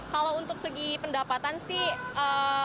kalau untuk segi pendapatan sih